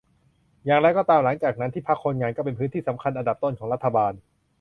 อย่างไรก็ตามหลังจากนั้น ที่พักคนงานก็เป็นพื้นที่สำคัญอันดับต้นของรัฐบาล